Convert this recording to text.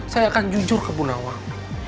saya akan jujur ke bunda wang